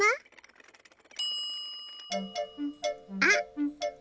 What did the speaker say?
あっ！